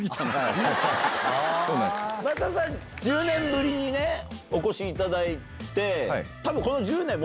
１０年ぶりにお越しいただいて。